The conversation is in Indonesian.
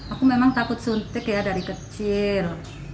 aku memang takut suntik ya dari kecil